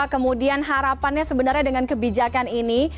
kemudian harapannya sebenarnya dengan kebijakan ini